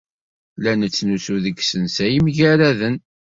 La nettnusu deg yisensa yemgerraden.